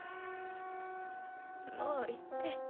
もう行って。